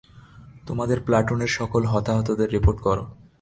তোমাদের প্লাটুনের সকল হতাহতদের রিপোর্ট কর।